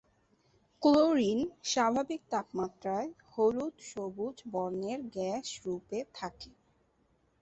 Chlorine স্বাভাবিক তাপমাত্রায় হলুদ-সবুজ বর্নের গ্যাস রূপে থাকে।